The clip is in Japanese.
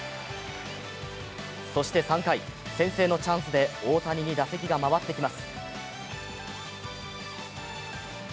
そして、３回、先制のチャンスで大谷に打席が回ってきます。